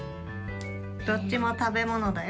どっちもたべものだよ。